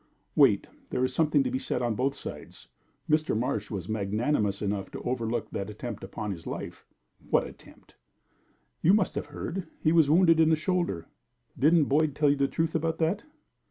"Wait! There is something to be said on both sides. Mr. Marsh was magnanimous enough to overlook that attempt upon his life." "What attempt?" "You must have heard. He was wounded in the shoulder." "Didn't Boyd tell you the truth about that?"